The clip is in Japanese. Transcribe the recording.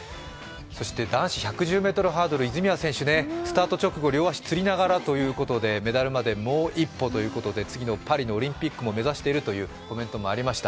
そして男子１１０ｍハードル、泉谷選手スタート直後、両足つりながらということでメダルまでもう一歩ということで次のパリのオリンピックを目指しているという言葉もありました。